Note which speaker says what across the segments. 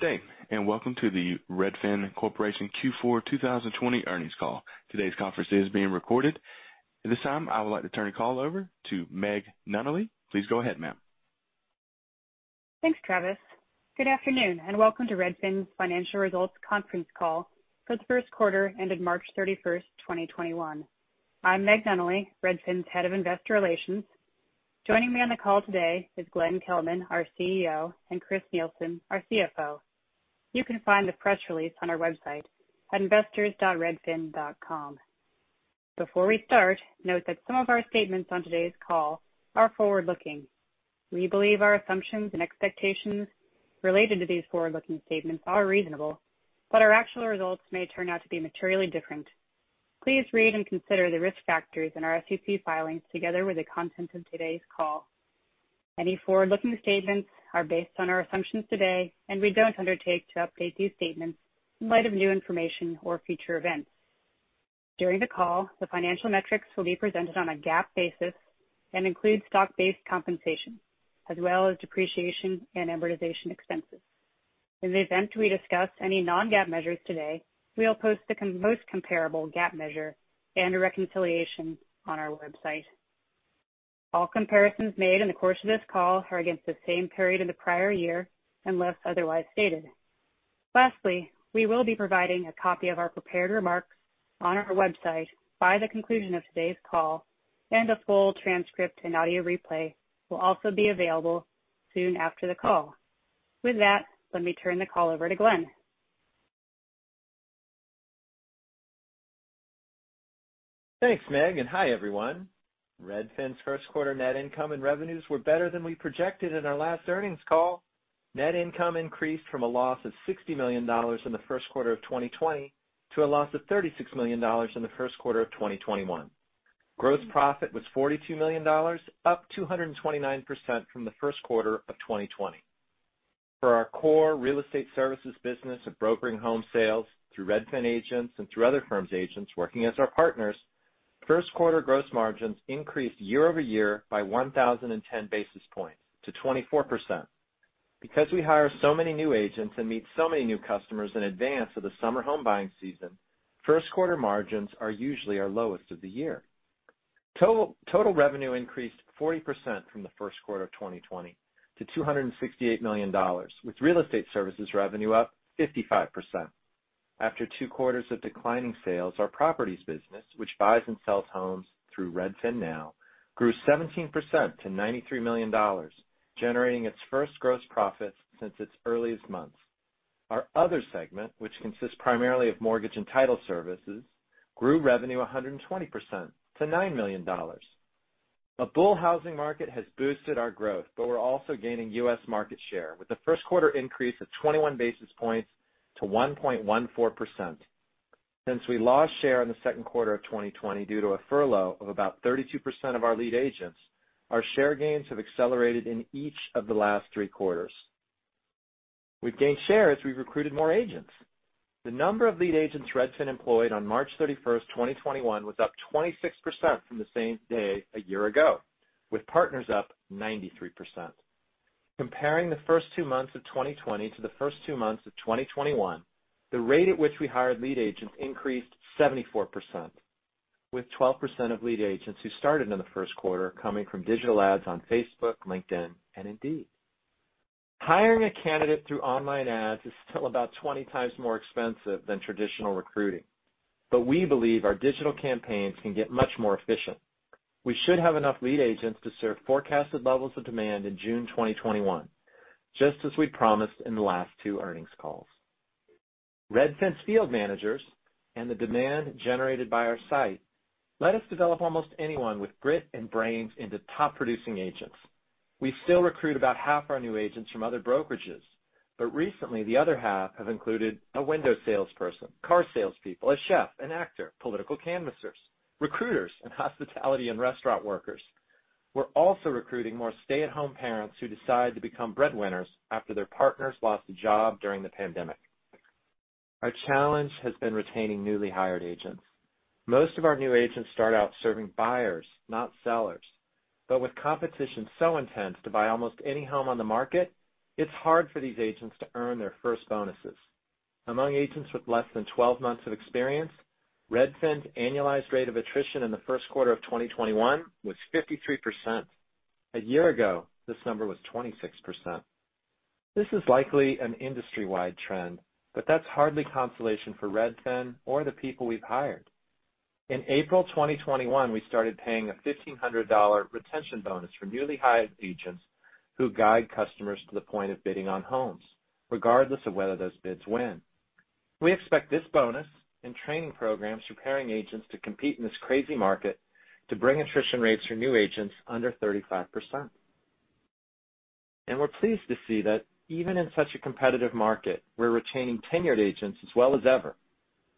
Speaker 1: Hey, and welcome to the Redfin Corporation Q4 2020 earnings call. Today's conference is being recorded. At this time, I would like to turn the call over to Meg Nunnally. Please go ahead, ma'am.
Speaker 2: Thanks, Travis. Good afternoon, and welcome to Redfin's Financial Results conference call for the Q1 ended March 31, 2021. I'm Meg Nunnally, Redfin's Head of Investor Relations. Joining me on the call today is Glenn Kelman, our CEO, and Chris Nielsen, our CFO. You can find the press release on our website at investors.redfin.com. Before we start, note that some of our statements on today's call are forward-looking. We believe our assumptions and expectations related to these forward-looking statements are reasonable, but our actual results may turn out to be materially different. Please read and consider the risk factors in our SEC filings, together with the content of today's call. Any forward-looking statements are based on our assumptions today, and we don't undertake to update these statements in light of new information or future events. During the call, the financial metrics will be presented on a GAAP basis and include stock-based compensation, as well as depreciation and amortization expenses. In the event we discuss any non-GAAP measures today, we'll post the most comparable GAAP measure and a reconciliation on our website. All comparisons made in the course of this call are against the same period in the prior year, unless otherwise stated. Lastly, we will be providing a copy of our prepared remarks on our website by the conclusion of today's call, and a full transcript and audio replay will also be available soon after the call. With that, let me turn the call over to Glenn.
Speaker 3: Thanks, Meg, and hi, everyone. Redfin's Q1 net income and revenues were better than we projected in our last earnings call. Net income increased from a loss of $60 million in the Q1 of 2020, to a loss of $36 million in the Q1 of 2021. Gross profit was $42 million, up 229% from the Q1 of 2020. For our core real estate services business of brokering home sales through Redfin agents and through other firms' agents working as our partners, Q1 gross margins increased year-over-year by 1,010 basis points to 24%. Because we hire so many new agents and meet so many new customers in advance of the summer home buying season, Q1 margins are usually our lowest of the year. Total, total revenue increased 40% from the Q1 of 2020 to $268 million, with real estate services revenue up 55%. After two quarters of declining sales, our properties business, which buys and sells homes through RedfinNow, grew 17% to $93 million, generating its first gross profit since its earliest months. Our other segment, which consists primarily of mortgage and title services, grew revenue 120% to $9 million. A bull housing market has boosted our growth, but we're also gaining U.S. market share, with a Q1 increase of 21 basis points to 1.14%. Since we lost share in the Q2 of 2020 due to a furlough of about 32% of our lead agents, our share gains have accelerated in each of the last three quarters. We've gained share as we've recruited more agents. The number of lead agents Redfin employed on March 31, 2021, was up 26% from the same day a year ago, with partners up 93%. Comparing the first two months of 2020 to the first two months of 2021, the rate at which we hired lead agents increased 74%, with 12% of lead agents who started in the Q1 coming from digital ads on Facebook, LinkedIn, and Indeed. Hiring a candidate through online ads is still about 20 times more expensive than traditional recruiting, but we believe our digital campaigns can get much more efficient. We should have enough lead agents to serve forecasted levels of demand in June 2021, just as we promised in the last two earnings calls. Redfin's field managers and the demand generated by our site let us develop almost anyone with grit and brains into top-producing agents. We still recruit about half our new agents from other brokerages, but recently, the other half have included a window salesperson, car salespeople, a chef, an actor, political canvassers, recruiters, and hospitality and restaurant workers. We're also recruiting more stay-at-home parents who decide to become breadwinners after their partners lost a job during the pandemic. Our challenge has been retaining newly hired agents. Most of our new agents start out serving buyers, not sellers. But with competition so intense to buy almost any home on the market, it's hard for these agents to earn their first bonuses. Among agents with less than 12 months of experience, Redfin's annualized rate of attrition in the Q1 of 2021 was 53%. A year ago, this number was 26%. This is likely an industry-wide trend, but that's hardly consolation for Redfin or the people we've hired. In April 2021, we started paying a $1,500 retention bonus for newly hired agents who guide customers to the point of bidding on homes, regardless of whether those bids win. We expect this bonus and training programs preparing agents to compete in this crazy market to bring attrition rates for new agents under 35%. We're pleased to see that even in such a competitive market, we're retaining tenured agents as well as ever.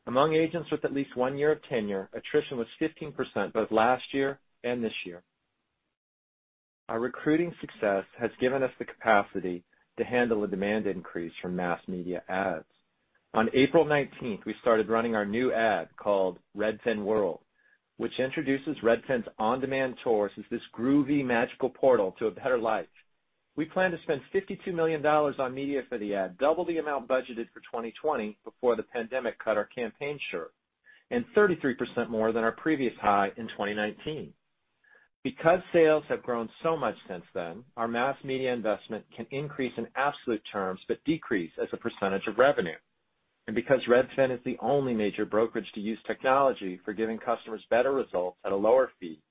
Speaker 3: Among agents with at least 1 year of tenure, attrition was 15% both last year and this year. Our recruiting success has given us the capacity to handle a demand increase from mass media ads. On April nineteenth, we started running our new ad called Redfin Whirl, which introduces Redfin's on-demand tours as this groovy, magical portal to a better life. We plan to spend $52 million on media for the ad, double the amount budgeted for 2020 before the pandemic cut our campaign short, and 33% more than our previous high in 2019. Because sales have grown so much since then, our mass media investment can increase in absolute terms, but decrease as a percentage of revenue. And because Redfin is the only major brokerage to use technology for giving customers better results at a lower fee,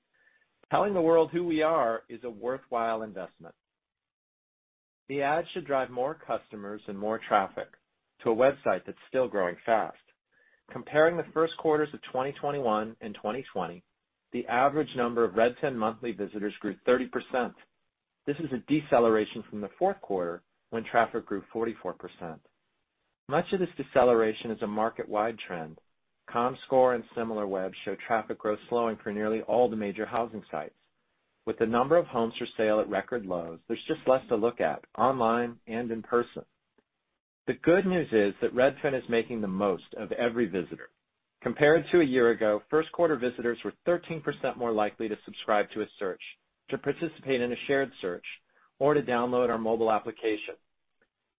Speaker 3: telling the world who we are is a worthwhile investment. The ad should drive more customers and more traffic to a website that's still growing fast. Comparing the Q1s of 2021 and 2020, the average number of Redfin monthly visitors grew 30%. This is a deceleration from the Q4, when traffic grew 44%. Much of this deceleration is a market-wide trend. Comscore and SimilarWeb show traffic growth slowing for nearly all the major housing sites. With the number of homes for sale at record lows, there's just less to look at, online and in person. The good news is that Redfin is making the most of every visitor. Compared to a year ago, Q1 visitors were 13% more likely to subscribe to a search, to participate in a shared search, or to download our mobile application.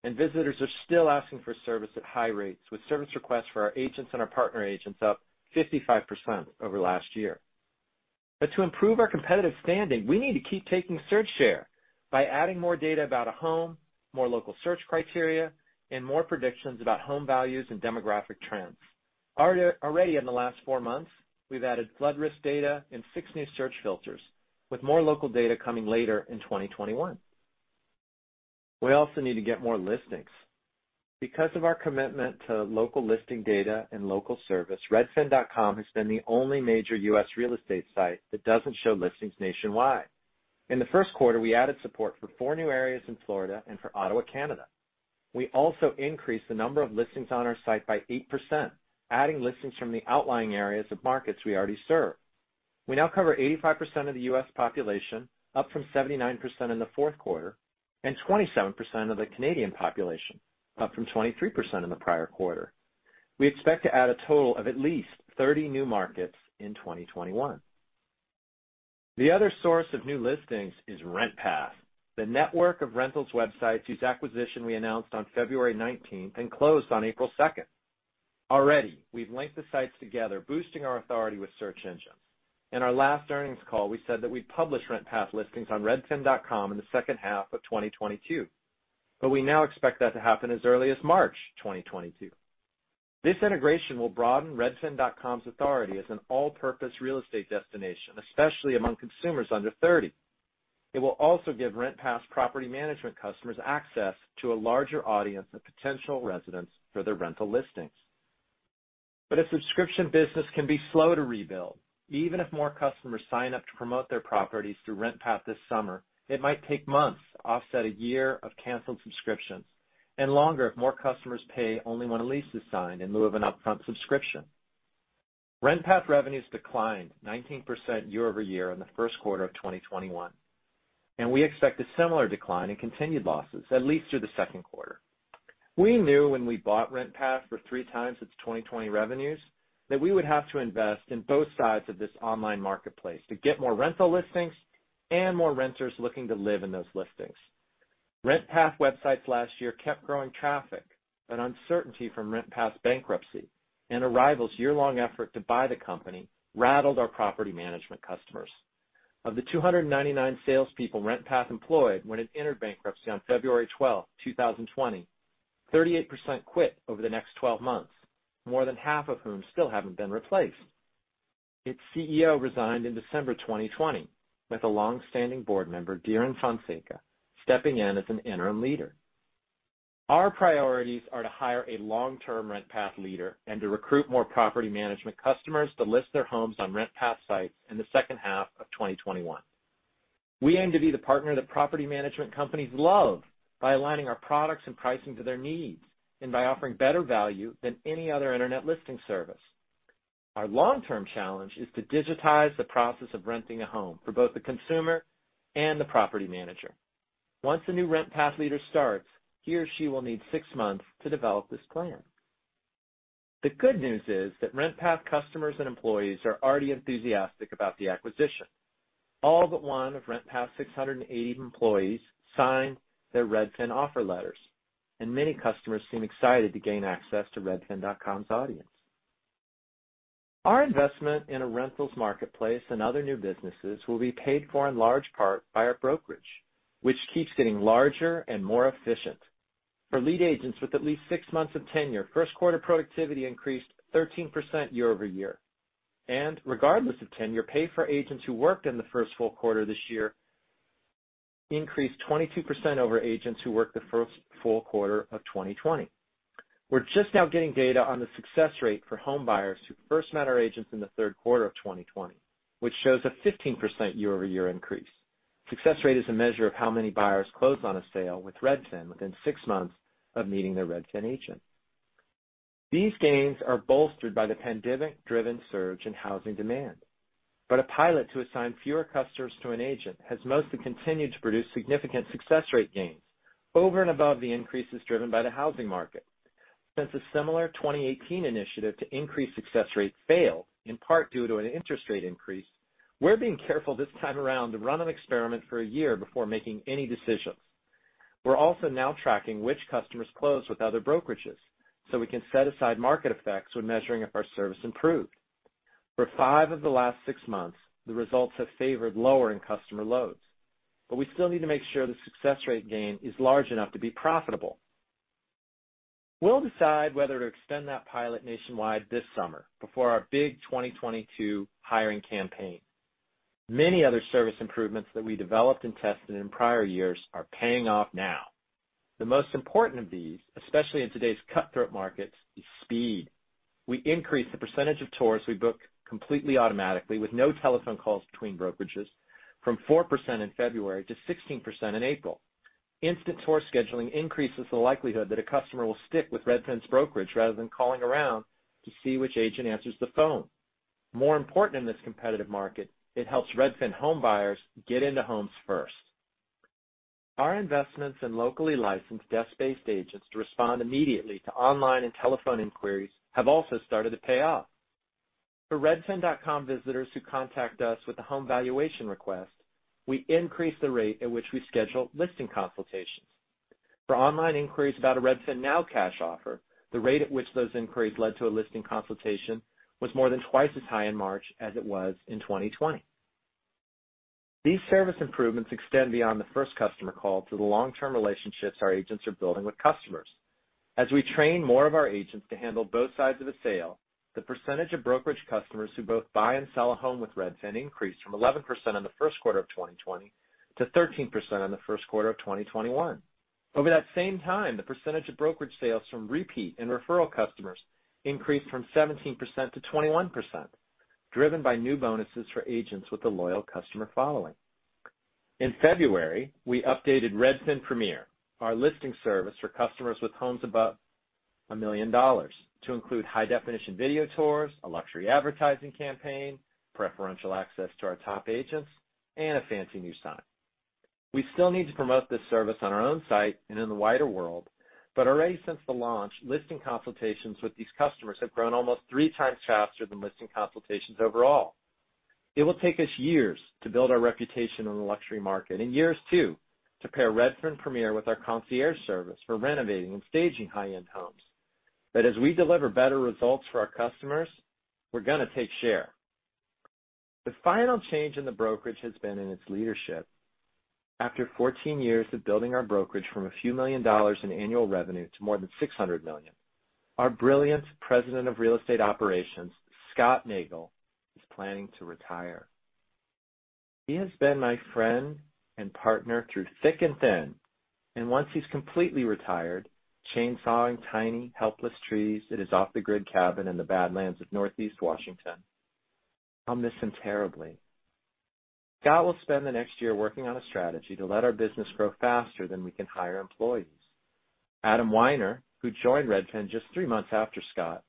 Speaker 3: And visitors are still asking for service at high rates, with service requests for our agents and our partner agents up 55% over last year. But to improve our competitive standing, we need to keep taking search share by adding more data about a home, more local search criteria, and more predictions about home values and demographic trends. Already in the last 4 months, we've added flood risk data and 6 new search filters, with more local data coming later in 2021. We also need to get more listings. Because of our commitment to local listing data and local service, redfin.com has been the only major U.S. real estate site that doesn't show listings nationwide. In the Q1, we added support for 4 new areas in Florida and for Ottawa, Canada. We also increased the number of listings on our site by 8%, adding listings from the outlying areas of markets we already serve. We now cover 85% of the U.S. population, up from 79% in the Q4, and 27% of the Canadian population, up from 23% in the prior quarter. We expect to add a total of at least 30 new markets in 2021. The other source of new listings is RentPath, the network of rental websites, whose acquisition we announced on February nineteenth and closed on April second. Already, we've linked the sites together, boosting our authority with search engines. In our last earnings call, we said that we'd publish RentPath listings on redfin.com in the second half of 2022, but we now expect that to happen as early as March 2022. This integration will broaden redfin.com's authority as an all-purpose real estate destination, especially among consumers under 30. It will also give RentPath property management customers access to a larger audience of potential residents for their rental listings. But a subscription business can be slow to rebuild. Even if more customers sign up to promote their properties through RentPath this summer, it might take months to offset a year of canceled subscriptions, and longer if more customers pay only when a lease is signed in lieu of an upfront subscription. RentPath revenues declined 19% year-over-year in the Q1 of 2021, and we expect a similar decline in continued losses at least through the Q2. We knew when we bought RentPath for 3x its 2020 revenues, that we would have to invest in both sides of this online marketplace to get more rental listings and more renters looking to live in those listings. RentPath websites last year kept growing traffic, but uncertainty from RentPath's bankruptcy and CoStar's year-long effort to buy the company rattled our property management customers. Of the 299 salespeople RentPath employed when it entered bankruptcy on February 12, 2020, 38% quit over the next twelve months, more than half of whom still haven't been replaced. Its CEO resigned in December 2020, with a long-standing board member, Darren Fonseca, stepping in as an interim leader. Our priorities are to hire a long-term RentPath leader and to recruit more property management customers to list their homes on RentPath sites in the second half of 2021. We aim to be the partner that property management companies love by aligning our products and pricing to their needs, and by offering better value than any other internet listing service. Our long-term challenge is to digitize the process of renting a home for both the consumer and the property manager. Once the new RentPath leader starts, he or she will need six months to develop this plan. The good news is that RentPath customers and employees are already enthusiastic about the acquisition. All but one of RentPath's 680 employees signed their Redfin offer letters, and many customers seem excited to gain access to redfin.com's audience. Our investment in a rentals marketplace and other new businesses will be paid for in large part by our brokerage, which keeps getting larger and more efficient. For lead agents with at least six months of tenure, Q1 productivity increased 13% year-over-year, and regardless of tenure, pay for agents who worked in the first full quarter this year increased 22% over agents who worked the first full quarter of 2020. We're just now getting data on the success rate for home buyers who first met our agents in the Q3 of 2020, which shows a 15% year-over-year increase. Success rate is a measure of how many buyers close on a sale with Redfin within six months of meeting their Redfin agent. These gains are bolstered by the pandemic-driven surge in housing demand, but a pilot to assign fewer customers to an agent has mostly continued to produce significant success rate gains over and above the increases driven by the housing market. Since a similar 2018 initiative to increase success rate failed, in part due to an interest rate increase, we're being careful this time around to run an experiment for a year before making any decisions. We're also now tracking which customers close with other brokerages, so we can set aside market effects when measuring if our service improved. For 5 of the last 6 months, the results have favored lowering customer loads, but we still need to make sure the success rate gain is large enough to be profitable. We'll decide whether to extend that pilot nationwide this summer before our big 2022 hiring campaign. Many other service improvements that we developed and tested in prior years are paying off now. The most important of these, especially in today's cutthroat markets, is speed. We increased the percentage of tours we book completely automatically with no telephone calls between brokerages from 4% in February to 16% in April. Instant tour scheduling increases the likelihood that a customer will stick with Redfin's brokerage rather than calling around to see which agent answers the phone. More important, in this competitive market, it helps Redfin home buyers get into homes first. Our investments in locally licensed desk-based agents to respond immediately to online and telephone inquiries have also started to pay off. For redfin.com, visitors who contact us with a home valuation request, we increase the rate at which we schedule listing consultations. For online inquiries about a RedfinNow cash offer, the rate at which those inquiries led to a listing consultation was more than twice as high in March as it was in 2020. These service improvements extend beyond the first customer call to the long-term relationships our agents are building with customers. As we train more of our agents to handle both sides of a sale, the percentage of brokerage customers who both buy and sell a home with Redfin increased from 11% in the Q1 of 2020 to 13% in the Q1 of 2021. Over that same time, the percentage of brokerage sales from repeat and referral customers increased from 17% to 21%, driven by new bonuses for agents with a loyal customer following. In February, we updated Redfin Premier, our listing service for customers with homes above $1 million, to include high-definition video tours, a luxury advertising campaign, preferential access to our top agents, and a fancy new sign. We still need to promote this service on our own site and in the wider world, but already since the launch, listing consultations with these customers have grown almost three times faster than listing consultations overall. It will take us years to build our reputation in the luxury market and years, too, to pair Redfin Premier with our concierge service for renovating and staging high-end homes. But as we deliver better results for our customers, we're going to take share. The final change in the brokerage has been in its leadership. After 14 years of building our brokerage from a few million dollars in annual revenue to more than $600 million, our brilliant President of Real Estate Operations, Scott Nagel, is planning to retire. He has been my friend and partner through thick and thin, and once he's completely retired, chain sawing tiny, helpless trees at his off-the-grid cabin in the badlands of Northeast Washington, I'll miss him terribly. Scott will spend the next year working on a strategy to let our business grow faster than we can hire employees. Adam Wiener, who joined Redfin just three months after Scott,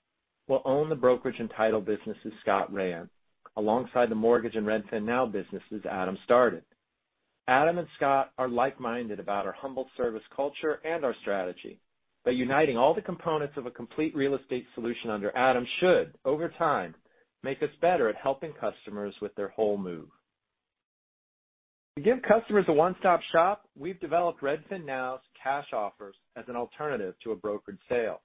Speaker 3: will own the brokerage and title businesses Scott ran, alongside the mortgage and Redfin Now businesses Adam started. Adam and Scott are like-minded about our humble service culture and our strategy, but uniting all the components of a complete real estate solution under Adam should, over time, make us better at helping customers with their whole move. To give customers a one-stop-shop, we've developed Redfin Now's cash offers as an alternative to a brokered sale.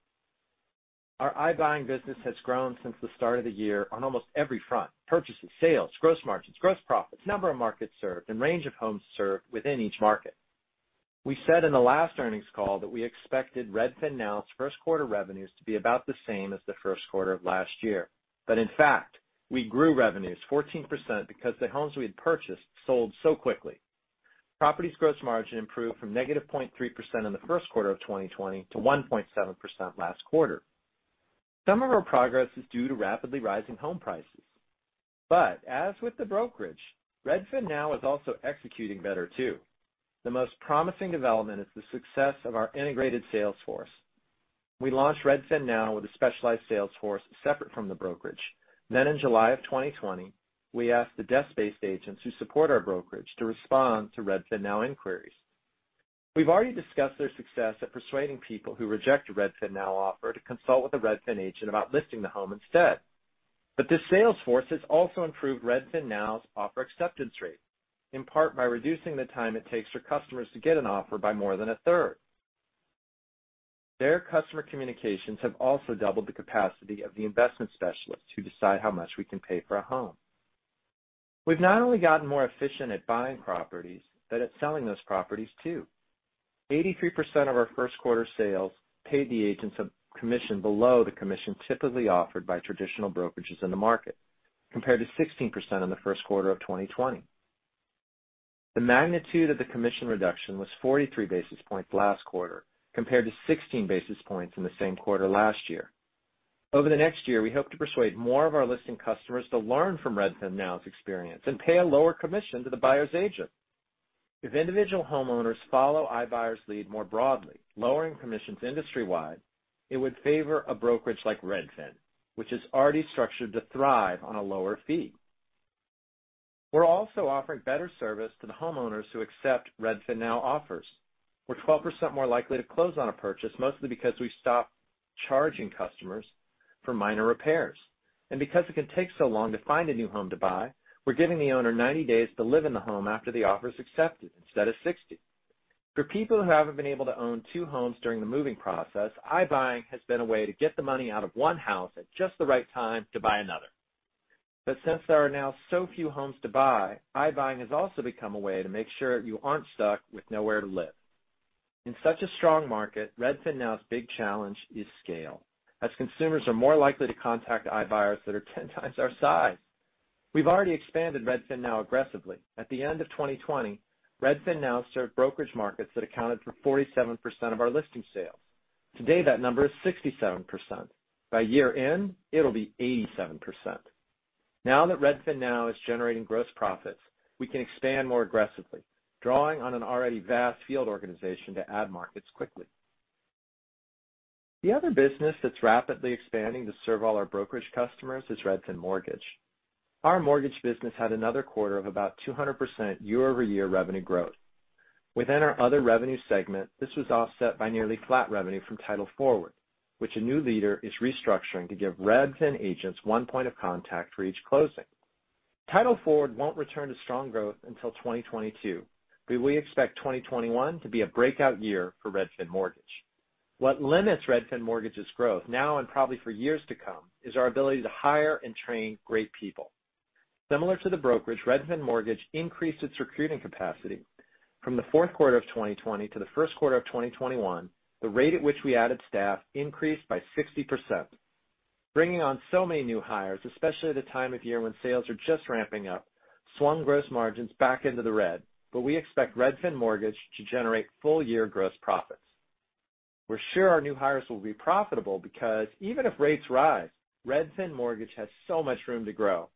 Speaker 3: Our iBuying business has grown since the start of the year on almost every front, purchases, sales, gross margins, gross profits, number of markets served, and range of homes served within each market. We said in the last earnings call that we expected Redfin Now's Q1 revenues to be about the same as the Q1 of last year. But in fact, we grew revenues 14% because the homes we had purchased sold so quickly. Properties' gross margin improved from -0.3% in the Q1 of 2020 to 1.7% last quarter. Some of our progress is due to rapidly rising home prices, but as with the brokerage, RedfinNow is also executing better, too. The most promising development is the success of our integrated sales force. We launched RedfinNow with a specialized sales force separate from the brokerage. Then in July 2020, we asked the desk-based agents who support our brokerage to respond to RedfinNow inquiries. We've already discussed their success at persuading people who reject a RedfinNow offer to consult with a Redfin agent about listing the home instead. But this sales force has also improved RedfinNow's offer acceptance rate, in part by reducing the time it takes for customers to get an offer by more than a third. Their customer communications have also doubled the capacity of the investment specialists who decide how much we can pay for a home. We've not only gotten more efficient at buying properties, but at selling those properties, too. 83% of our Q1 sales paid the agents a commission below the commission typically offered by traditional brokerages in the market, compared to 16% in the Q1 of 2020. The magnitude of the commission reduction was 43 basis points last quarter, compared to 16 basis points in the same quarter last year. Over the next year, we hope to persuade more of our listing customers to learn from RedfinNow's experience and pay a lower commission to the buyer's agent.... If individual homeowners follow iBuyer's lead more broadly, lowering commissions industry-wide, it would favor a brokerage like Redfin, which is already structured to thrive on a lower fee. We're also offering better service to the homeowners who accept RedfinNow offers. We're 12% more likely to close on a purchase, mostly because we stop charging customers for minor repairs, and because it can take so long to find a new home to buy, we're giving the owner 90 days to live in the home after the offer is accepted, instead of 60. For people who haven't been able to own two homes during the moving process, iBuying has been a way to get the money out of one house at just the right time to buy another. But since there are now so few homes to buy, iBuying has also become a way to make sure you aren't stuck with nowhere to live. In such a strong market, RedfinNow's big challenge is scale, as consumers are more likely to contact iBuyers that are 10 times our size. We've already expanded RedfinNow aggressively. At the end of 2020, RedfinNow served brokerage markets that accounted for 47% of our listing sales. Today, that number is 67%. By year-end, it'll be 87%. Now that RedfinNow is generating gross profits, we can expand more aggressively, drawing on an already vast field organization to add markets quickly. The other business that's rapidly expanding to serve all our brokerage customers is Redfin Mortgage. Our mortgage business had another quarter of about 200% year-over-year revenue growth. Within our other revenue segment, this was offset by nearly flat revenue from Title Forward, which a new leader is restructuring to give Redfin agents one point of contact for each closing. Title Forward won't return to strong growth until 2022, but we expect 2021 to be a breakout year for Redfin Mortgage. What limits Redfin Mortgage's growth now and probably for years to come, is our ability to hire and train great people. Similar to the brokerage, Redfin Mortgage increased its recruiting capacity. From the Q4 of 2020 to the Q1 of 2021, the rate at which we added staff increased by 60%, bringing on so many new hires, especially at a time of year when sales are just ramping up, swung gross margins back into the red, but we expect Redfin Mortgage to generate full-year gross profits. We're sure our new hires will be profitable because even if rates rise, Redfin Mortgage has so much room to grow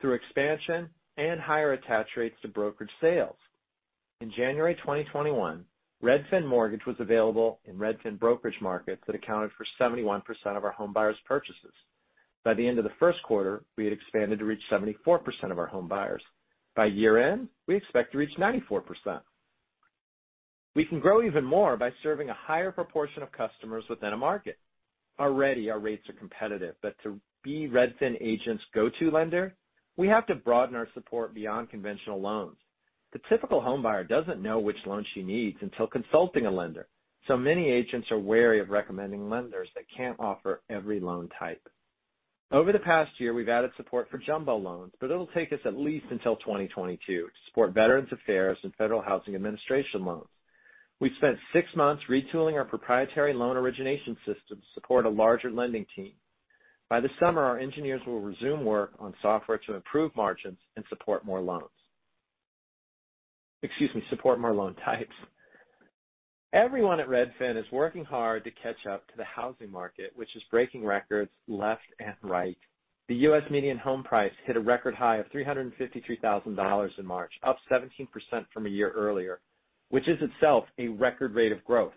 Speaker 3: through expansion and higher attach rates to brokerage sales. In January 2021, Redfin Mortgage was available in Redfin brokerage markets that accounted for 71% of our home buyers' purchases. By the end of the Q1, we had expanded to reach 74% of our home buyers. By year-end, we expect to reach 94%. We can grow even more by serving a higher proportion of customers within a market. Already, our rates are competitive, but to be Redfin agents' go-to lender, we have to broaden our support beyond conventional loans. The typical home buyer doesn't know which loan she needs until consulting a lender, so many agents are wary of recommending lenders that can't offer every loan type. Over the past year, we've added support for jumbo loans, but it'll take us at least until 2022 to support Veterans Affairs and Federal Housing Administration loans. We've spent six months retooling our proprietary loan origination system to support a larger lending team. By the summer, our engineers will resume work on software to improve margins and support more loans. Excuse me, support more loan types. Everyone at Redfin is working hard to catch up to the housing market, which is breaking records left and right. The U.S. median home price hit a record high of $353,000 in March, up 17% from a year earlier, which is itself a record rate of growth.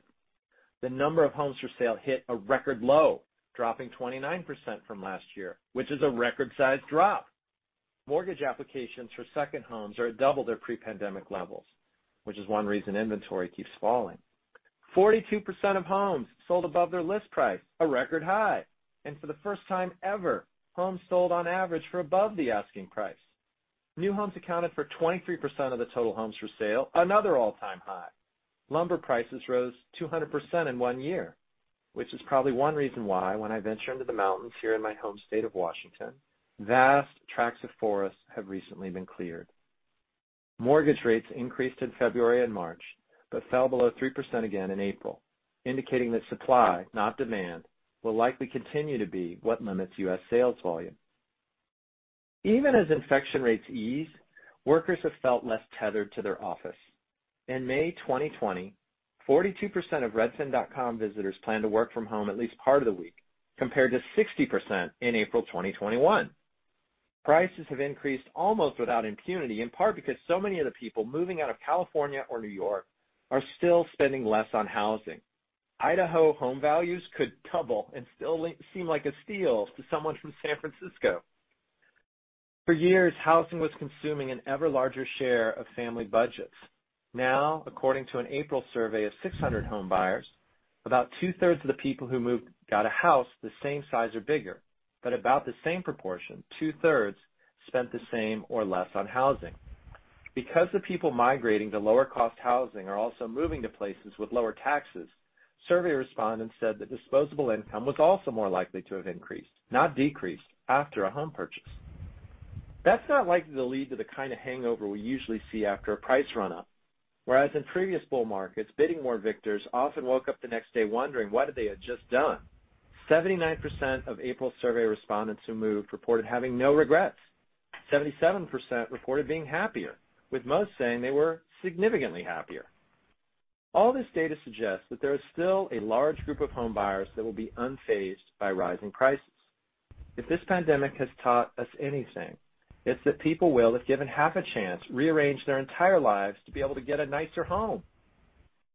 Speaker 3: The number of homes for sale hit a record low, dropping 29% from last year, which is a record-sized drop. Mortgage applications for second homes are at double their pre-pandemic levels, which is one reason inventory keeps falling. 42% of homes sold above their list price, a record high, and for the first time ever, homes sold on average for above the asking price. New homes accounted for 23% of the total homes for sale, another all-time high. Lumber prices rose 200% in one year, which is probably one reason why when I venture into the mountains here in my home state of Washington, vast tracts of forests have recently been cleared. Mortgage rates increased in February and March, but fell below 3% again in April, indicating that supply, not demand, will likely continue to be what limits U.S. sales volume. Even as infection rates ease, workers have felt less tethered to their office. In May 2020, 42% of redfin.com visitors planned to work from home at least part of the week, compared to 60% in April 2021. Prices have increased almost without impunity, in part because so many of the people moving out of California or New York are still spending less on housing. Idaho home values could double and still seem like a steal to someone from San Francisco. For years, housing was consuming an ever larger share of family budgets. Now, according to an April survey of 600 home buyers, about two-thirds of the people who moved got a house the same size or bigger, but about the same proportion, two-thirds, spent the same or less on housing. Because the people migrating to lower-cost housing are also moving to places with lower taxes, survey respondents said that disposable income was also more likely to have increased, not decreased, after a home purchase. That's not likely to lead to the kind of hangover we usually see after a price run-up. Whereas in previous bull markets, bidding war victors often woke up the next day wondering what they had just done, 79% of April survey respondents who moved reported having no regrets. 77% reported being happier, with most saying they were significantly happier. All this data suggests that there is still a large group of home buyers that will be unfazed by rising prices. If this pandemic has taught us anything, it's that people will, if given half a chance, rearrange their entire lives to be able to get a nicer home.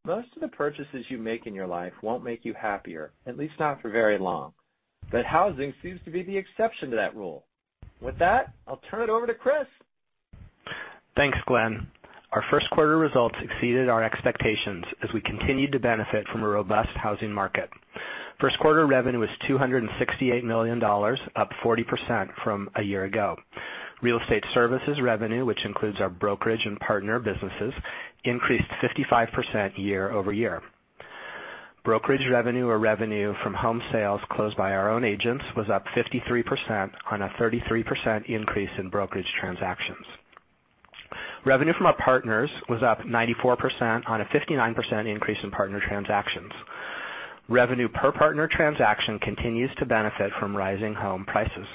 Speaker 3: Most of the purchases you make in your life won't make you happier, at least not for very long, but housing seems to be the exception to that rule. With that, I'll turn it over to Chris.
Speaker 4: Thanks, Glenn. Our Q1 results exceeded our expectations as we continued to benefit from a robust housing market. Q1 revenue was $268 million, up 40% from a year ago. Real estate services revenue, which includes our brokerage and partner businesses, increased 55% year-over-year. Brokerage revenue, or revenue from home sales closed by our own agents, was up 53% on a 33% increase in brokerage transactions. Revenue from our partners was up 94% on a 59% increase in partner transactions. Revenue per partner transaction continues to benefit from rising home prices.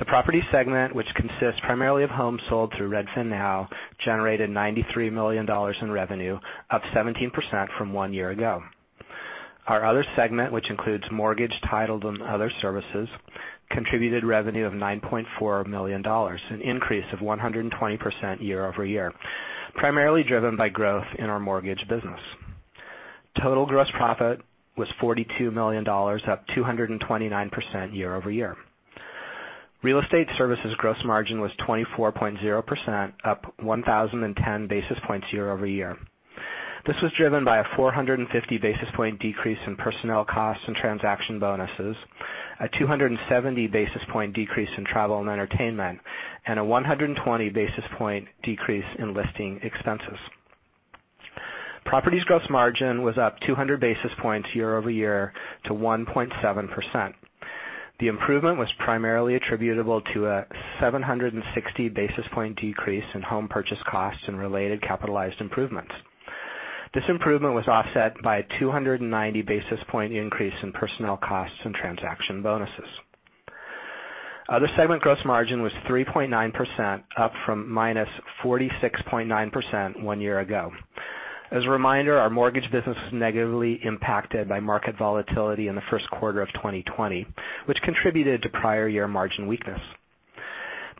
Speaker 4: The property segment, which consists primarily of homes sold through RedfinNow, generated $93 million in revenue, up 17% from one year ago. Our other segment, which includes mortgage, title, and other services, contributed revenue of $9.4 million, an increase of 120% year-over-year, primarily driven by growth in our mortgage business. Total gross profit was $42 million, up 229% year-over-year. Real estate services gross margin was 24.0%, up 1,010 basis points year-over-year. This was driven by a 450 basis point decrease in personnel costs and transaction bonuses, a 270 basis point decrease in travel and entertainment, and a 120 basis point decrease in listing expenses. Properties gross margin was up 200 basis points year-over-year to 1.7%. The improvement was primarily attributable to a 760 basis point decrease in home purchase costs and related capitalized improvements. This improvement was offset by a 290 basis point increase in personnel costs and transaction bonuses. Other segment gross margin was 3.9%, up from -46.9% one year ago. As a reminder, our mortgage business was negatively impacted by market volatility in the Q1 of 2020, which contributed to prior year margin weakness.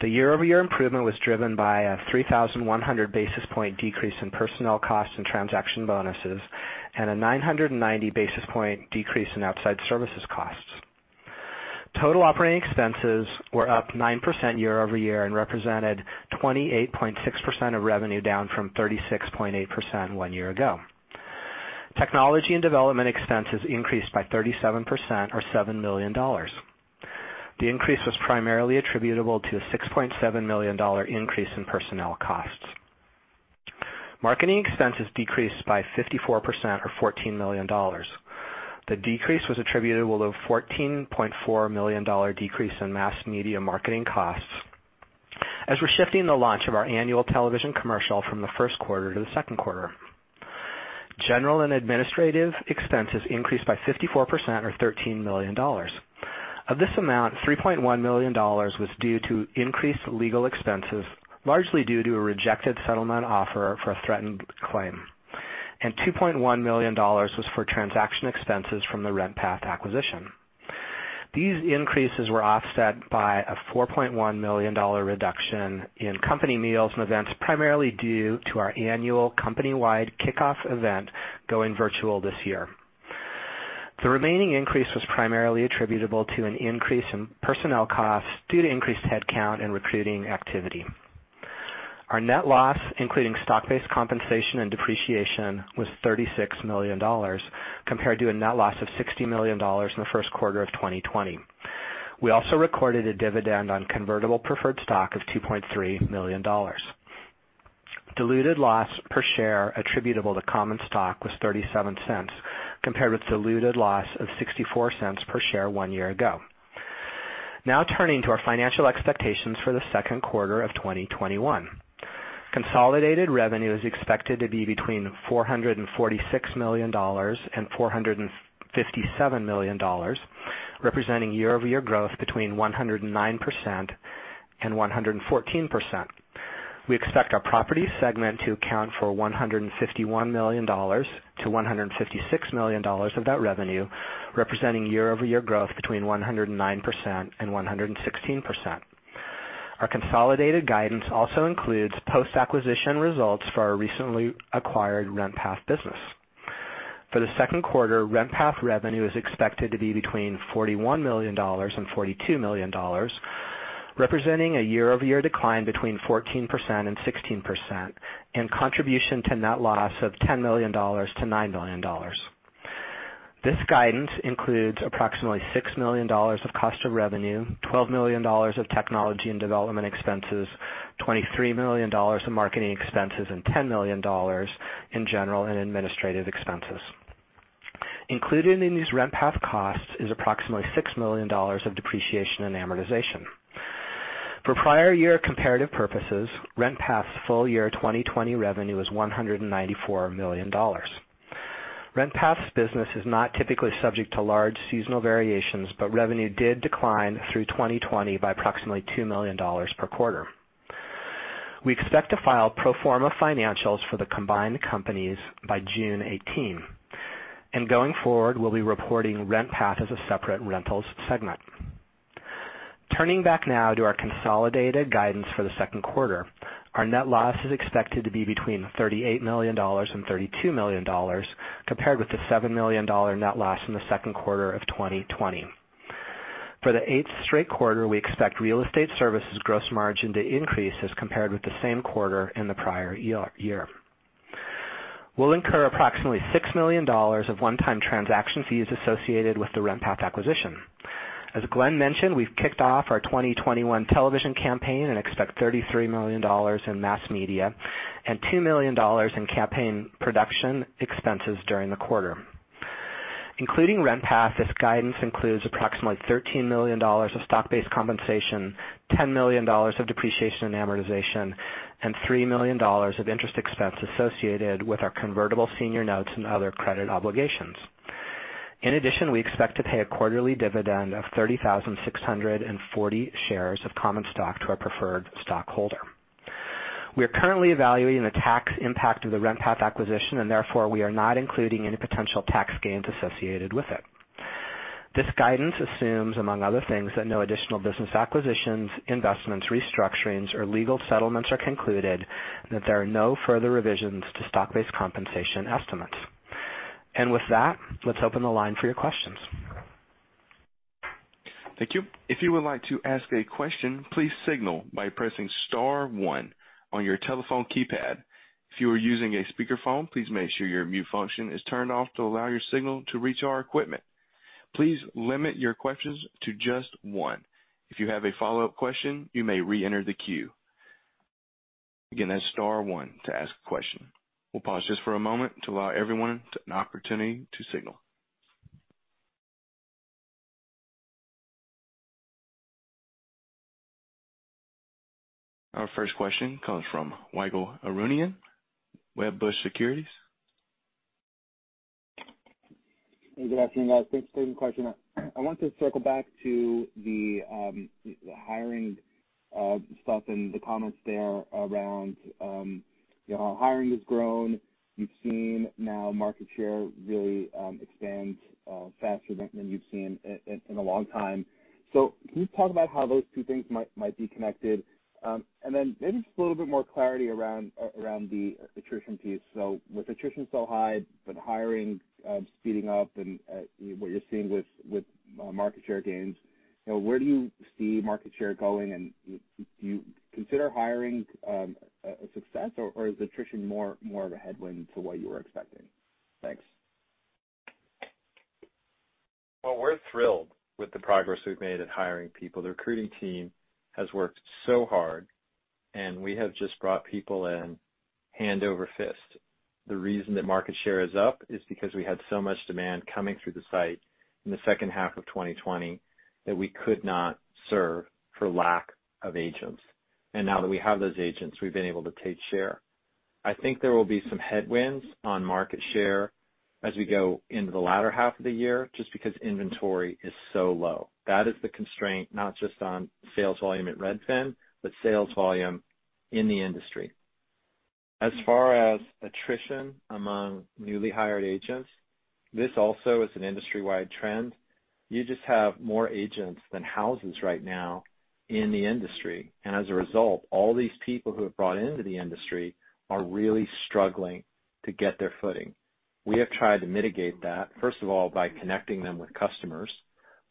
Speaker 4: The year-over-year improvement was driven by a 3,100 basis point decrease in personnel costs and transaction bonuses, and a 990 basis point decrease in outside services costs. Total operating expenses were up 9% year-over-year and represented 28.6% of revenue, down from 36.8% one year ago. Technology and development expenses increased by 37% or $7 million. The increase was primarily attributable to a $6.7 million increase in personnel costs. Marketing expenses decreased by 54% or $14 million. The decrease was attributable to a $14.4 million decrease in mass media marketing costs, as we're shifting the launch of our annual television commercial from the Q1 to the Q2. General and administrative expenses increased by 54% or $13 million. Of this amount, $3.1 million was due to increased legal expenses, largely due to a rejected settlement offer for a threatened claim, and $2.1 million was for transaction expenses from the RentPath acquisition. These increases were offset by a $4.1 million reduction in company meals and events, primarily due to our annual company-wide kickoff event going virtual this year. The remaining increase was primarily attributable to an increase in personnel costs due to increased headcount and recruiting activity. Our net loss, including stock-based compensation and depreciation, was $36 million, compared to a net loss of $60 million in the Q1 of 2020. We also recorded a dividend on convertible preferred stock of $2.3 million. Diluted loss per share attributable to common stock was $0.37, compared with diluted loss of $0.64 per share one year ago. Now, turning to our financial expectations for the Q2 of 2021. Consolidated revenue is expected to be between $446 million and $457 million, representing year-over-year growth between 109% and 114%. We expect our property segment to account for $151 million to $156 million of that revenue, representing year-over-year growth between 109% and 116%. Our consolidated guidance also includes post-acquisition results for our recently acquired RentPath business. For the Q2, RentPath revenue is expected to be between $41 million and $42 million, representing a year-over-year decline between 14% and 16%, and contribution to net loss of $10 million to $9 million. This guidance includes approximately $6 million of cost of revenue, $12 million of technology and development expenses, $23 million in marketing expenses, and $10 million in general and administrative expenses. Included in these RentPath costs is approximately $6 million of depreciation and amortization. For prior year comparative purposes, RentPath's full year 2020 revenue was $194 million. RentPath's business is not typically subject to large seasonal variations, but revenue did decline through 2020 by approximately $2 million per quarter. We expect to file pro forma financials for the combined companies by June 18, and going forward, we'll be reporting RentPath as a separate rentals segment. Turning back now to our consolidated guidance for the Q2, our net loss is expected to be between $38 million and $32 million, compared with the $7 million net loss in the Q2 of 2020. For the eighth straight quarter, we expect real estate services gross margin to increase as compared with the same quarter in the prior year. We'll incur approximately $6 million of one-time transaction fees associated with the RentPath acquisition. As Glenn mentioned, we've kicked off our 2021 television campaign and expect $33 million in mass media and $2 million in campaign production expenses during the quarter. Including RentPath, this guidance includes approximately $13 million of stock-based compensation, $10 million of depreciation and amortization, and $3 million of interest expense associated with our convertible senior notes and other credit obligations. In addition, we expect to pay a quarterly dividend of 30,640 shares of common stock to our preferred stockholder. We are currently evaluating the tax impact of the RentPath acquisition, and therefore, we are not including any potential tax gains associated with it. This guidance assumes, among other things, that no additional business acquisitions, investments, restructurings, or legal settlements are concluded, and that there are no further revisions to stock-based compensation estimates. With that, let's open the line for your questions.
Speaker 1: Thank you. If you would like to ask a question, please signal by pressing star one on your telephone keypad. If you are using a speakerphone, please make sure your mute function is turned off to allow your signal to reach our equipment. Please limit your questions to just one. If you have a follow-up question, you may reenter the queue. Again, that's star one to ask a question. We'll pause just for a moment to allow everyone an opportunity to signal. Our first question comes from Ygal Arounian, Wedbush Securities.
Speaker 5: Good afternoon, guys. Thanks for taking the question. I want to circle back to the hiring stuff and the comments there around you know, how hiring has grown. You've seen now market share really expand faster than you've seen in a long time. So can you talk about how those two things might be connected? And then maybe just a little bit more clarity around the attrition piece. So with attrition so high, but hiring speeding up and what you're seeing with market share gains, you know, where do you see market share going? And do you consider hiring a success, or is attrition more of a headwind to what you were expecting? Thanks.
Speaker 3: Well, we're thrilled with the progress we've made at hiring people. The recruiting team has worked so hard, and we have just brought people in hand over fist. The reason that market share is up is because we had so much demand coming through the site in the second half of 2020, that we could not serve for lack of agents. Now that we have those agents, we've been able to take share. I think there will be some headwinds on market share as we go into the latter half of the year, just because inventory is so low. That is the constraint, not just on sales volume at Redfin, but sales volume in the industry. As far as attrition among newly hired agents, this also is an industry-wide trend. You just have more agents than houses right now in the industry, and as a result, all these people who have brought into the industry are really struggling to get their footing. We have tried to mitigate that, first of all, by connecting them with customers,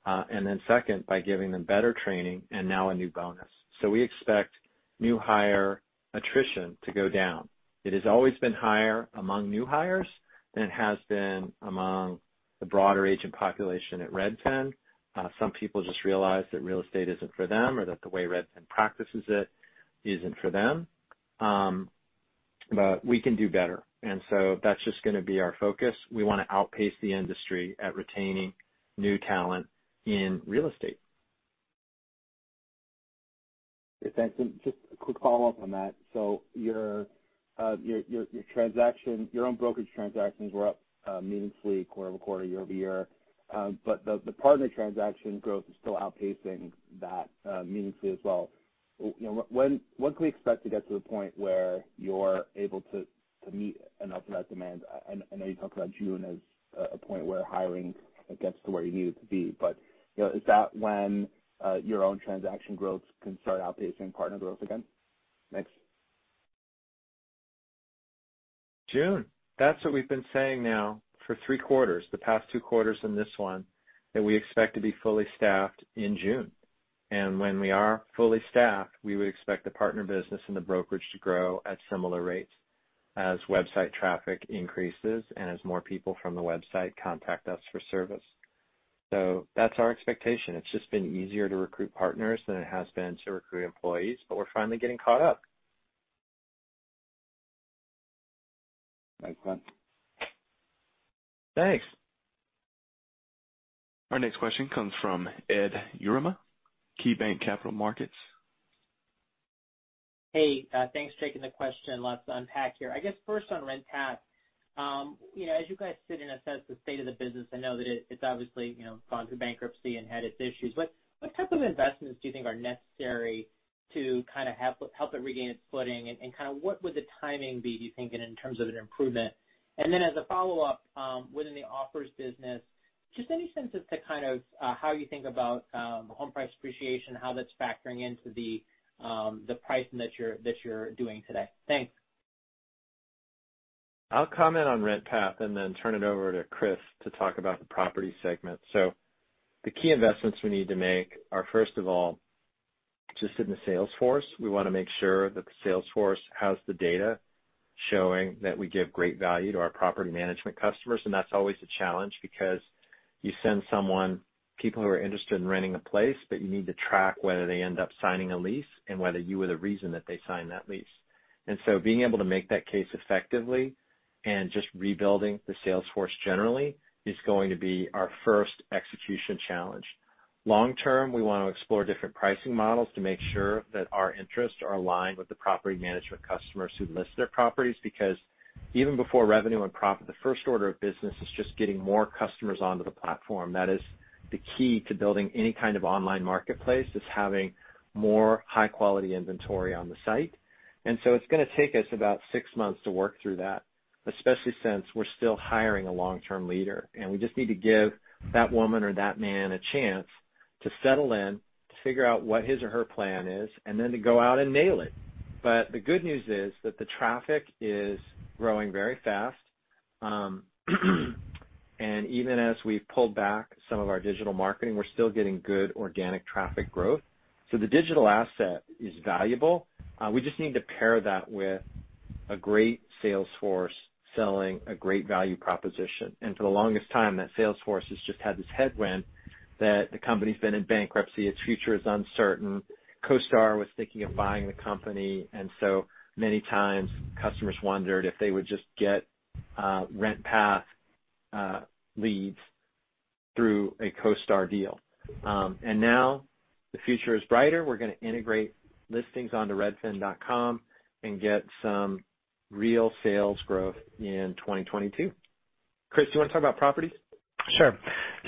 Speaker 3: and then second, by giving them better training and now a new bonus. So we expect new hire attrition to go down. It has always been higher among new hires than it has been among the broader agent population at Redfin. Some people just realize that real estate isn't for them or that the way Redfin practices it isn't for them. But we can do better, and so that's just gonna be our focus. We want to outpace the industry at retaining new talent in real estate.
Speaker 5: Okay, thanks. Just a quick follow-up on that. So your transaction, your own brokerage transactions were up meaningfully quarter-over-quarter, year-over-year. But the partner transaction growth is still outpacing that meaningfully as well. You know, when can we expect to get to the point where you're able to meet and offer that demand? I know you talked about June as a point where hiring gets to where you need it to be, but you know, is that when your own transaction growth can start outpacing partner growth again? Thanks.
Speaker 3: June. That's what we've been saying now for three quarters, the past two quarters and this one, that we expect to be fully staffed in June. When we are fully staffed, we would expect the partner business and the brokerage to grow at similar rates as website traffic increases and as more people from the website contact us for service. That's our expectation. It's just been easier to recruit partners than it has been to recruit employees, but we're finally getting caught up.
Speaker 5: Thanks, Glenn.
Speaker 3: Thanks!
Speaker 1: Our next question comes from Ed Yruma, KeyBanc Capital Markets.
Speaker 6: Hey, thanks for taking the question. Let's unpack here. I guess, first on RentPath, you know, as you guys sit and assess the state of the business, I know that it, it's obviously, you know, gone through bankruptcy and had its issues. What type of investments do you think are necessary to kind of help it regain its footing? And kind of what would the timing be, do you think, in terms of an improvement? And then as a follow-up, within the offers business, just any senses to kind of how you think about home price appreciation, how that's factoring into the pricing that you're doing today? Thanks.
Speaker 3: I'll comment on RentPath and then turn it over to Chris to talk about the property segment. So the key investments we need to make are, first of all, just in the sales force. We want to make sure that the sales force has the data showing that we give great value to our property management customers, and that's always a challenge because you send someone, people who are interested in renting a place, but you need to track whether they end up signing a lease and whether you were the reason that they signed that lease. And so being able to make that case effectively and just rebuilding the sales force generally is going to be our first execution challenge. Long term, we want to explore different pricing models to make sure that our interests are aligned with the property management customers who list their properties, because even before revenue and profit, the first order of business is just getting more customers onto the platform. That is the key to building any kind of online marketplace, is having more high-quality inventory on the site. And so it's gonna take us about six months to work through that, especially since we're still hiring a long-term leader. And we just need to give that woman or that man a chance to settle in, to figure out what his or her plan is, and then to go out and nail it. But the good news is that the traffic is growing very fast, and even as we've pulled back some of our digital marketing, we're still getting good organic traffic growth. So the digital asset is valuable. We just need to pair that with a great sales force selling a great value proposition. For the longest time, that sales force has just had this headwind that the company's been in bankruptcy, its future is uncertain. CoStar was thinking of buying the company, and so many times customers wondered if they would just get RentPath leads through a CoStar deal. Now the future is brighter. We're gonna integrate listings onto redfin.com and get some real sales growth in 2022. Chris, do you want to talk about properties?
Speaker 4: Sure.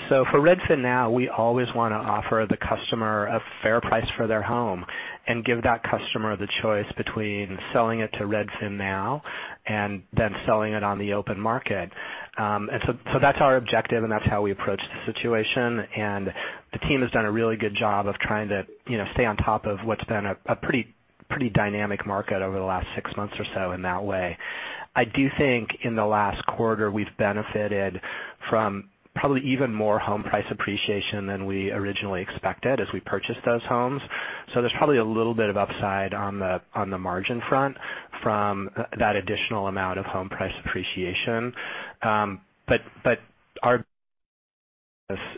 Speaker 4: So for RedfinNow, we always want to offer the customer a fair price for their home and give that customer the choice between selling it to RedfinNow and then selling it on the open market. And so that's our objective, and that's how we approach the situation. And the team has done a really good job of trying to, you know, stay on top of what's been a pretty dynamic market over the last six months or so in that way. I do think in the last quarter, we've benefited from probably even more home price appreciation than we originally expected as we purchased those homes. So there's probably a little bit of upside on the margin front from that additional amount of home price appreciation. But our...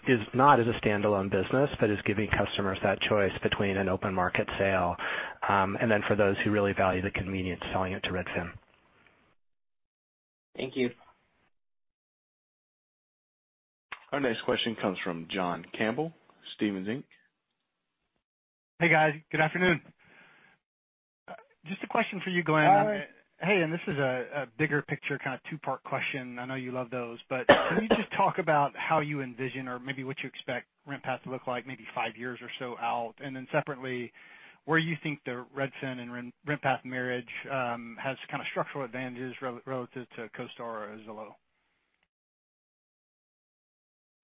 Speaker 4: is not as a standalone business, but is giving customers that choice between an open market sale, and then for those who really value the convenience, selling it to Redfin.
Speaker 6: Thank you.
Speaker 1: Our next question comes from John Campbell, Stephens Inc.
Speaker 7: Hey, guys. Good afternoon. Just a question for you, Glenn.
Speaker 3: Hi.
Speaker 7: Hey, this is a bigger picture, kind of two-part question. I know you love those, can you just talk about how you envision or maybe what you expect RentPath to look like maybe five years or so out? And then separately, where you think the Redfin and RentPath marriage has kind of structural advantages relative to CoStar or Zillow?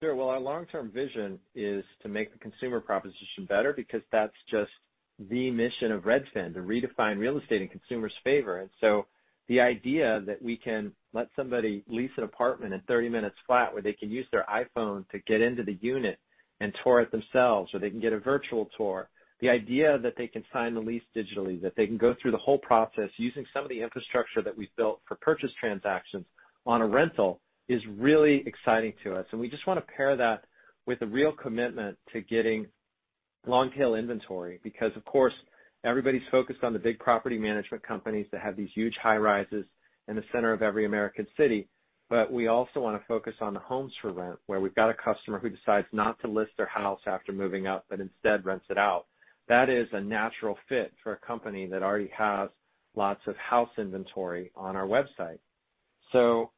Speaker 3: Sure. Well, our long-term vision is to make the consumer proposition better because that's just the mission of Redfin, to redefine real estate in consumers' favor. And so the idea that we can let somebody lease an apartment in 30 minutes flat, where they can use their iPhone to get into the unit and tour it themselves, or they can get a virtual tour, the idea that they can sign the lease digitally, that they can go through the whole process using some of the infrastructure that we've built for purchase transactions on a rental, is really exciting to us. And we just want to pair that with a real commitment to getting long-tail inventory, because of course, everybody's focused on the big property management companies that have these huge high-rises in the center of every American city. But we also want to focus on the homes for rent, where we've got a customer who decides not to list their house after moving out, but instead rents it out. That is a natural fit for a company that already has lots of house inventory on our website. So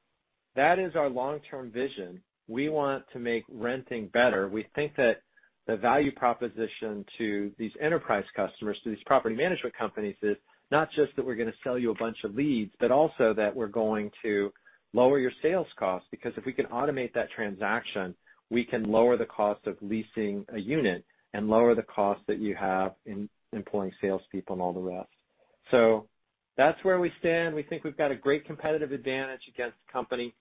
Speaker 3: that is our long-term vision. We want to make renting better. We think that the value proposition to these enterprise customers, to these property management companies, is not just that we're gonna sell you a bunch of leads, but also that we're going to lower your sales costs, because if we can automate that transaction, we can lower the cost of leasing a unit and lower the cost that you have in employing salespeople and all the rest. So that's where we stand. We think we've got a great competitive advantage against a company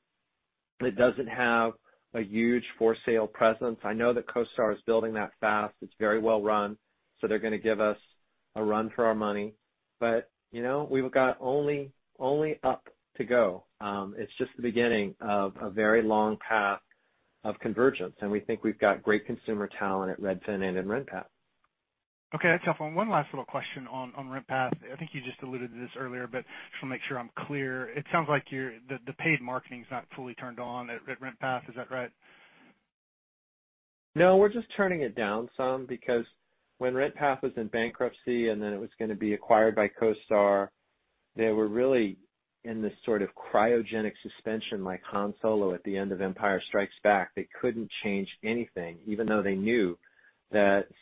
Speaker 3: that doesn't have a huge for-sale presence. I know that CoStar is building that fast. It's very well-run, so they're gonna give us a run for our money. But, you know, we've got only, only up to go. It's just the beginning of a very long path of convergence, and we think we've got great consumer talent at Redfin and in RentPath.
Speaker 7: Okay, that's helpful. And one last little question on RentPath. I think you just alluded to this earlier, but just wanna make sure I'm clear. It sounds like you're—the paid marketing is not fully turned on at RentPath. Is that right?
Speaker 3: No, we're just turning it down some because when RentPath was in bankruptcy, and then it was going to be acquired by CoStar, they were really in this sort of cryogenic suspension, like Han Solo at the end of Empire Strikes Back. They couldn't change anything, even though they knew that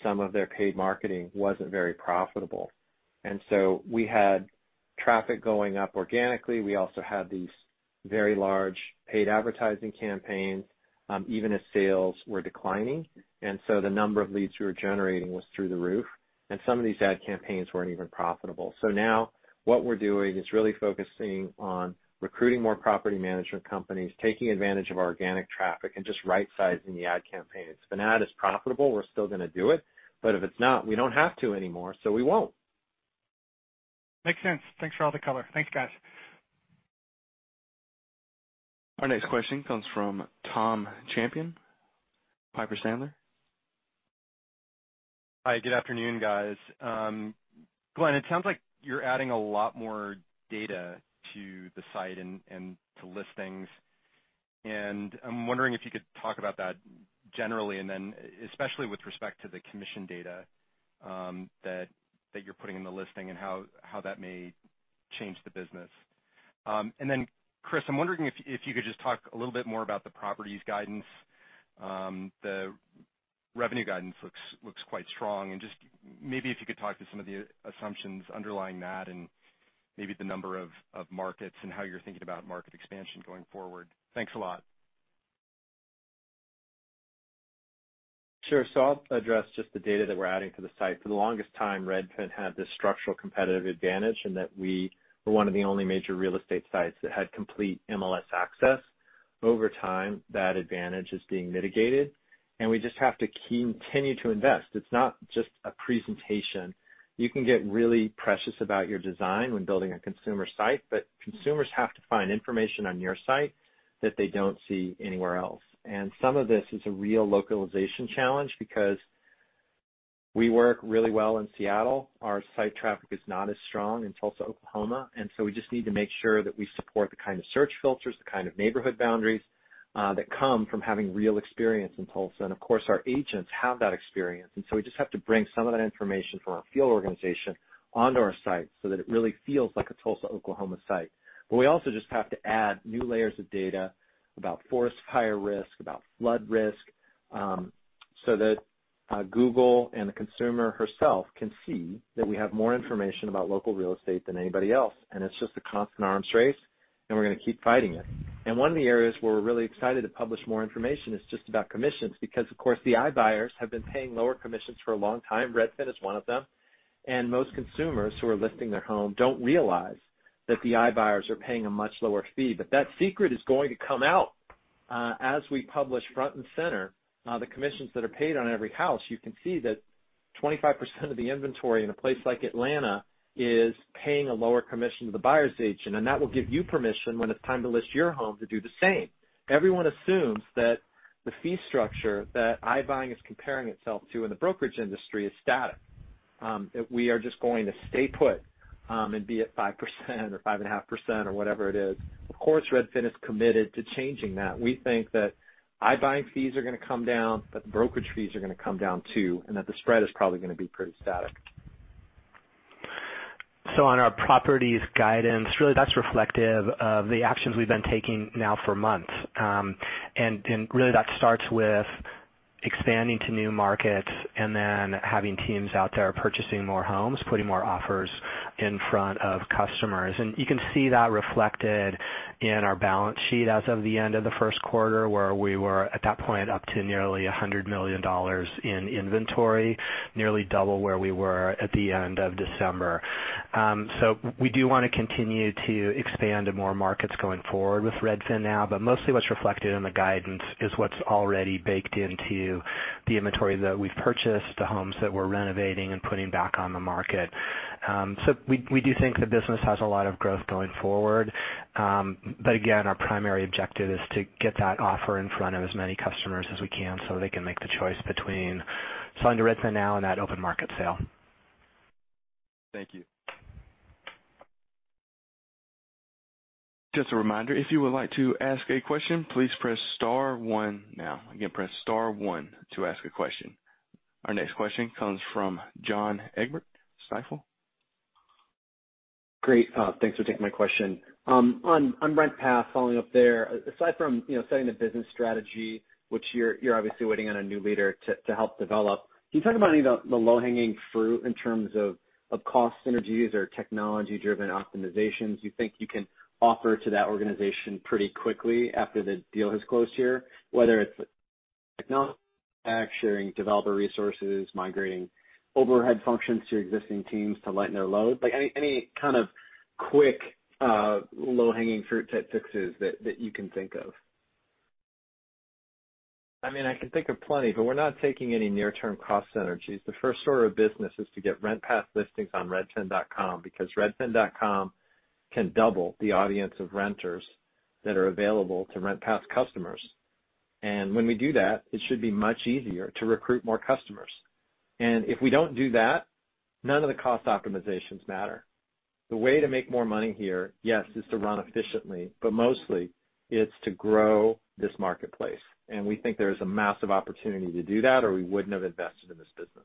Speaker 3: some of their paid marketing wasn't very profitable. And so we had traffic going up organically. We also had these very large paid advertising campaigns, even as sales were declining. And so the number of leads we were generating was through the roof, and some of these ad campaigns weren't even profitable. So now what we're doing is really focusing on recruiting more property management companies, taking advantage of our organic traffic, and just right-sizing the ad campaigns. If an ad is profitable, we're still going to do it, but if it's not, we don't have to anymore, so we won't.
Speaker 7: Makes sense. Thanks for all the color. Thanks, guys.
Speaker 1: Our next question comes from Tom Champion, Piper Sandler.
Speaker 8: Hi, good afternoon, guys. Glenn, it sounds like you're adding a lot more data to the site and to listings, and I'm wondering if you could talk about that generally, and then especially with respect to the commission data that you're putting in the listing and how that may change the business. And then, Chris, I'm wondering if you could just talk a little bit more about the properties guidance. The revenue guidance looks quite strong. Just maybe if you could talk to some of the assumptions underlying that and maybe the number of markets and how you're thinking about market expansion going forward. Thanks a lot.
Speaker 3: Sure. So I'll address just the data that we're adding to the site. For the longest time, Redfin had this structural competitive advantage in that we were one of the only major real estate sites that had complete MLS access. Over time, that advantage is being mitigated, and we just have to continue to invest. It's not just a presentation. You can get really precious about your design when building a consumer site, but consumers have to find information on your site that they don't see anywhere else. And some of this is a real localization challenge because we work really well in Seattle. Our site traffic is not as strong in Tulsa, Oklahoma, and so we just need to make sure that we support the kind of search filters, the kind of neighborhood boundaries, that come from having real experience in Tulsa. Of course, our agents have that experience, and so we just have to bring some of that information from our field organization onto our site so that it really feels like a Tulsa, Oklahoma, site. We also just have to add new layers of data about forest fire risk, about flood risk, so that Google and the consumer herself can see that we have more information about local real estate than anybody else. It's just a constant arms race, and we're going to keep fighting it. One of the areas where we're really excited to publish more information is just about commissions, because, of course, the iBuyers have been paying lower commissions for a long time. Redfin is one of them. Most consumers who are listing their home don't realize that the iBuyers are paying a much lower fee. But that secret is going to come out, as we publish front and center, the commissions that are paid on every house. You can see that 25% of the inventory in a place like Atlanta is paying a lower commission to the buyer's agent, and that will give you permission, when it's time to list your home, to do the same. Everyone assumes that the fee structure that iBuying is comparing itself to in the brokerage industry is static, that we are just going to stay put, and be at 5% or 5.5% or whatever it is. Of course, Redfin is committed to changing that. We think that iBuying fees are going to come down, that brokerage fees are going to come down, too, and that the spread is probably going to be pretty static.
Speaker 4: So on our properties guidance, really, that's reflective of the actions we've been taking now for months. And really, that starts with expanding to new markets and then having teams out there purchasing more homes, putting more offers in front of customers. And you can see that reflected in our balance sheet as of the end of the Q1, where we were at that point up to nearly $100 million in inventory, nearly double where we were at the end of December. So we do want to continue to expand to more markets going forward with RedfinNow, but mostly what's reflected in the guidance is what's already baked into the inventory that we've purchased, the homes that we're renovating and putting back on the market. So we do think the business has a lot of growth going forward. But again, our primary objective is to get that offer in front of as many customers as we can so they can make the choice between selling to Redfin now and that open market sale.
Speaker 8: Thank you.
Speaker 1: Just a reminder, if you would like to ask a question, please press star one now. Again, press star one to ask a question. Our next question comes from John Egbert, Stifel.
Speaker 9: Great. Thanks for taking my question. On, on RentPath, following up there, aside from, you know, setting the business strategy, which you're, you're obviously waiting on a new leader to, to help develop, can you talk about any of the, the low-hanging fruit in terms of, of cost synergies or technology-driven optimizations you think you can offer to that organization pretty quickly after the deal has closed here? Whether it's technology, sharing developer resources, migrating overhead functions to your existing teams to lighten their load, like, any, any kind of quick, low-hanging fruit type fixes that, that you can think of.
Speaker 3: I mean, I can think of plenty, but we're not taking any near-term cost synergies. The first order of business is to get RentPath listings on redfin.com, because redfin.com can double the audience of renters that are available to RentPath customers.... And when we do that, it should be much easier to recruit more customers. And if we don't do that, none of the cost optimizations matter. The way to make more money here, yes, is to run efficiently, but mostly it's to grow this marketplace, and we think there's a massive opportunity to do that, or we wouldn't have invested in this business.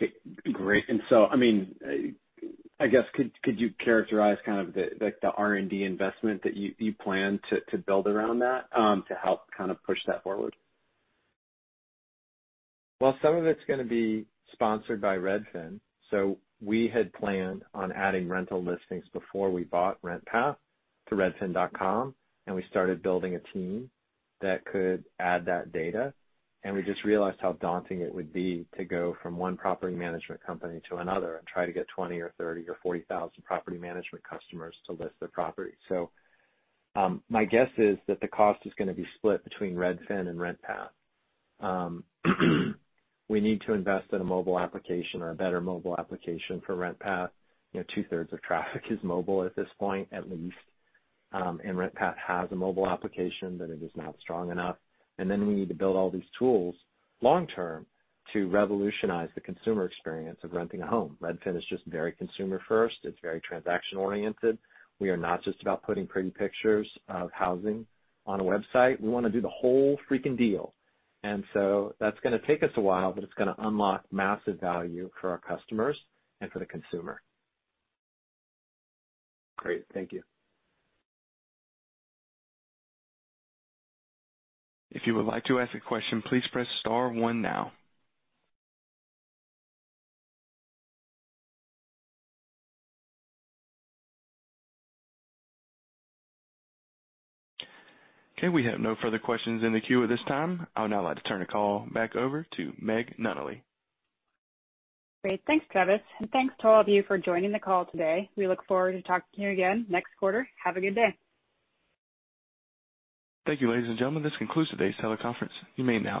Speaker 9: Okay, great. And so, I mean, I guess, could you characterize kind of the, like, the R&D investment that you plan to build around that, to help kind of push that forward?
Speaker 3: Well, some of it's gonna be sponsored by Redfin. So we had planned on adding rental listings before we bought RentPath to redfin.com, and we started building a team that could add that data, and we just realized how daunting it would be to go from one property management company to another and try to get 20 or 30 or 40 thousand property management customers to list their property. So, my guess is that the cost is gonna be split between Redfin and RentPath. We need to invest in a mobile application or a better mobile application for RentPath. You know, two-thirds of traffic is mobile at this point, at least. And RentPath has a mobile application, but it is not strong enough. And then we need to build all these tools long term to revolutionize the consumer experience of renting a home. Redfin is just very consumer first. It's very transaction oriented. We are not just about putting pretty pictures of housing on a website. We wanna do the whole freaking deal, and so that's gonna take us a while, but it's gonna unlock massive value for our customers and for the consumer.
Speaker 9: Great, thank you.
Speaker 1: If you would like to ask a question, please press star one now. Okay, we have no further questions in the queue at this time. I'd now like to turn the call back over to Meg Nunnally.
Speaker 2: Great. Thanks, Travis, and thanks to all of you for joining the call today. We look forward to talking to you again next quarter. Have a good day.
Speaker 1: Thank you, ladies and gentlemen. This concludes today's teleconference. You may now disconnect.